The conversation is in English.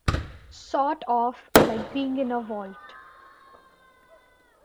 Sort of like being in a vault.